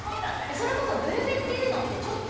それこそブルベっていうのってちょっと。